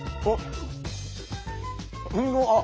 あっ！